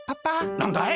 なんだい？